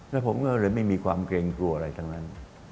แล้วผมก็เลยไม่มีความเกรงกลัวอะไรทั้งนั้น